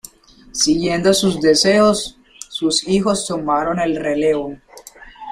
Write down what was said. Siguiendo sus deseos, sus hijos tomaron el relevo.